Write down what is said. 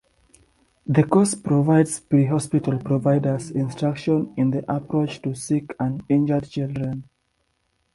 The course provides prehospital providers instruction in the approach to sick and injured children.